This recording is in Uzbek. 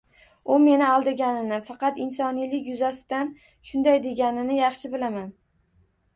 U meni aldaganini, faqat insoniylik yuzasidan shunday deganini yaxshi bilaman